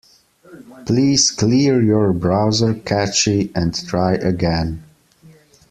Please clear your browser cache and try again.